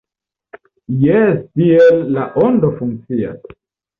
Jes, tiel La Ondo funkcias.